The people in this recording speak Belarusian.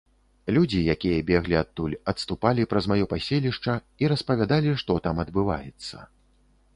Людзі, якія беглі адтуль, адступалі праз маё паселішча і распавядалі, што там адбываецца.